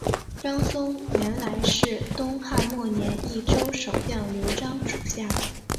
张松原来是东汉末年益州守将刘璋属下。